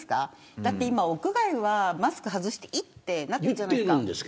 だって今は屋外はマスクを外していいってなってるじゃないですか。